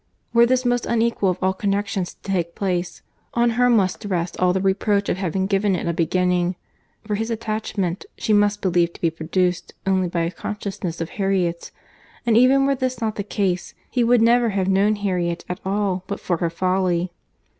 —Were this most unequal of all connexions to take place, on her must rest all the reproach of having given it a beginning; for his attachment, she must believe to be produced only by a consciousness of Harriet's;—and even were this not the case, he would never have known Harriet at all but for her folly.